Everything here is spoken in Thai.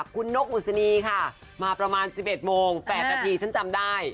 คุณนกอุศนีค่ะมาประมาณ๑๑โมง๘นาทีฉันจำได้